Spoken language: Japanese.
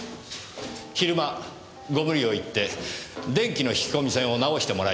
昼間ご無理を言って電気の引き込み線を直してもらいました。